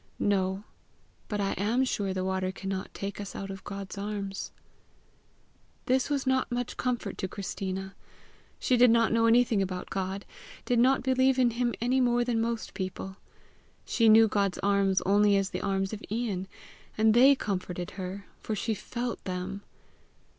"No; but I am sure the water cannot take us out of God's arms." This was not much comfort to Christina. She did not know anything about God did not believe in him any more than most people. She knew God's arms only as the arms of Ian and THEY comforted her, for she FELT them!